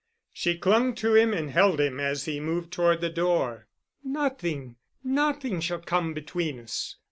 She clung to him and held him as he moved toward the door. "Nothing—nothing shall come between us.